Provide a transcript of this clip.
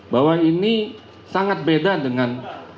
bahwa ini sangat beda dengan